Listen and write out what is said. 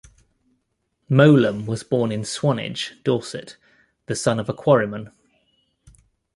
Mowlem was born in Swanage, Dorset, the son of a quarryman.